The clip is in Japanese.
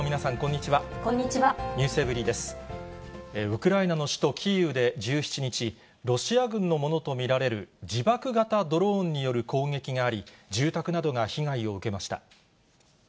ウクライナの首都キーウで１７日、ロシア軍のものと見られる自爆型ドローンによる攻撃があり、住宅などが被害を受けました。